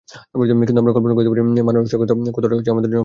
কিন্তু আমরা কল্পনা করতে পারিনি, সামনেকতটা সমস্যা আমাদের জন্য অপেক্ষা করছে।